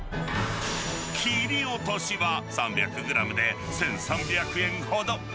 切り落としは３００グラムで１３００円ほど。